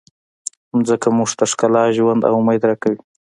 مځکه موږ ته ښکلا، ژوند او امید راکوي.